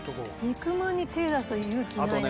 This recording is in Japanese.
肉まんに手出す勇気ないな。